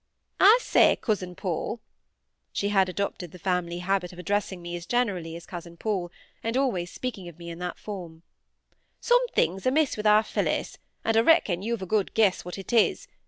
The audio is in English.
"I say, cousin Paul," (she had adopted the family habit of addressing me generally as cousin Paul, and always speaking of me in that form,) 'something's amiss with our Phillis, and I reckon you've a good guess what it is.